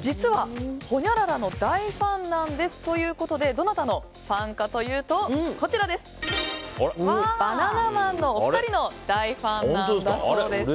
実は、ほにゃららの大ファンなんですということでどなたのファンかというとバナナマンのお二人の大ファン何だそうです。